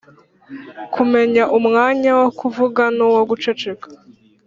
Kumenya umwanya wo kuvuga n’uwo guceceka